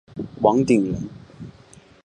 王鼎人。